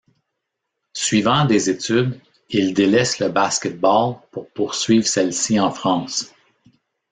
Suivant des études, il délaisse le basket-ball pour poursuivre celles-ci en France.